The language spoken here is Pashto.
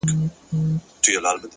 پرمختګ د ځان ماتولو هنر دی,